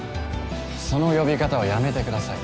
その呼び方はやめてください。